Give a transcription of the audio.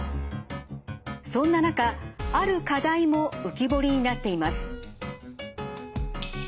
そんな中ある課題も浮き彫りになっています。